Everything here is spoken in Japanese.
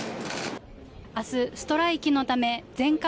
明日、ストライキのため全館